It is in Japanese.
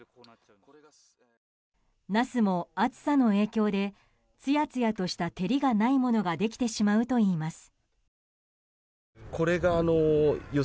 ナスも暑さの影響でつやつやとした照りがないものができてしまうといいます。